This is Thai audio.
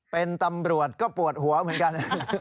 เป็นตำรวจก็ปวดหัวเหมือนกัน